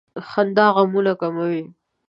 • خندا غمونه کموي.